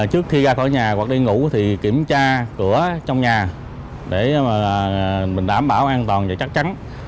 trước khi ra khỏi nhà hoặc đi ngủ thì kiểm tra cửa trong nhà để mà mình đảm bảo an toàn và chắc chắn